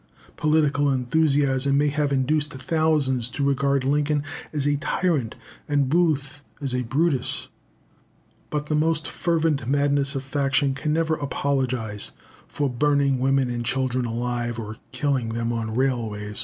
Political enthusiasm might have induced thousands to regard Lincoln as a tyrant and Booth as a Brutus; but the most fervent madness of faction can never apologise for burning women and children alive, or killing them on railways.